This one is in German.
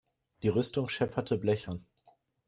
Die Rüstung schepperte blechern.